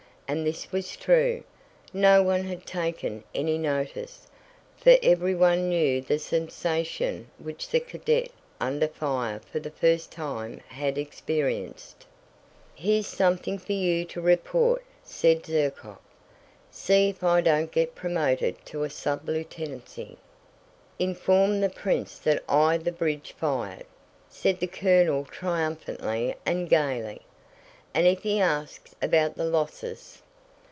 And this was true. No one had taken any notice, for everyone knew the sensation which the cadet under fire for the first time had experienced. "Here's something for you to report," said Zherkóv. "See if I don't get promoted to a sublieutenancy." "Inform the prince that I the bridge fired!" said the colonel triumphantly and gaily. "And if he asks about the losses?"